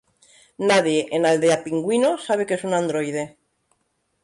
Nadie en Aldea Pingüino sabe que es un androide.